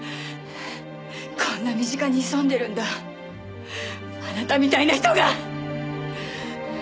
こんな身近に潜んでるんだあなたみたいな人が！